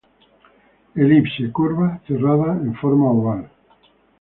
Elipse: curva cerrada en forma oval.